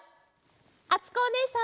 あつこおねえさんも！